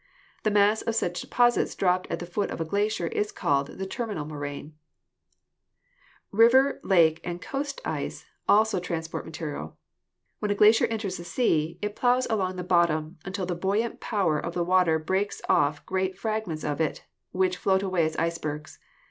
The mass of such deposits dropped at the foot of a glacier is called the terminal moraine. Fig. 23 — Debris Carried by Glacier and Dropped on the Sea Bed. River, lake and coast ice also transport material.. When a glacier enters the sea it plows along the bottom until the buoyant power of the water breaks off great fragments of it, which float away as icebergs.